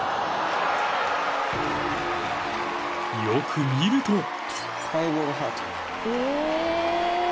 ［よく見ると］